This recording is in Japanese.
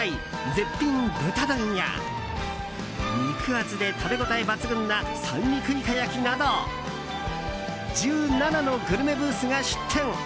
絶品豚丼や肉厚で食べ応え抜群な三陸イカ焼きなど１７のグルメブースが出店。